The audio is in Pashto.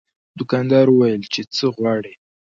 دوکاندار وویل چې څه غواړې.